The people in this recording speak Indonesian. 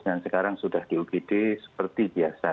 dan sekarang sudah di igd seperti biasa